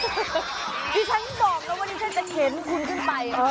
ดิฉันบอกว่าวันนี้ฉันจะเห็นคุณขึ้นไป